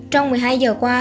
trong một mươi hai h qua